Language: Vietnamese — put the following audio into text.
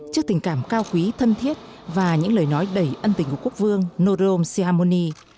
trước tình cảm cao quý thân thiết và những lời nói đầy ân tình của quốc vương norom siamoni